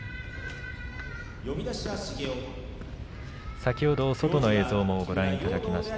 先ほど、外の映像をご覧いただきました。